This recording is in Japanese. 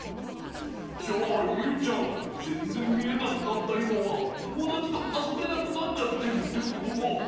じゃあユウちゃんぜんぜんみえなくなったいまはともだちとあそべなくなっちゃってるってことか？